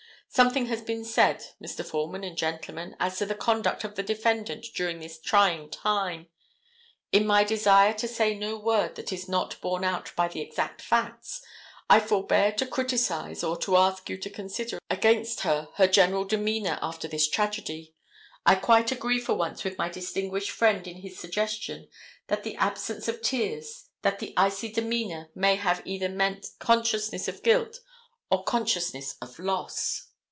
Something has been said, Mr. Foreman and gentlemen, as to the conduct of the defendant during this trying time. In my desire to say no word that is not borne out by the exact facts, I forbear to criticise or to ask you to consider against her her general demeanor after this tragedy. I quite agree for once with my distinguished friend in his suggestion that the absence of tears, that the icy demeanor may have either meant consciousness of guilt or consciousness of loss.